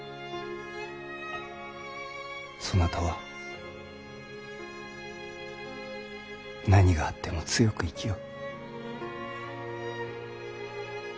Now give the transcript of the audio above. そなたは何があっても強く生きよ。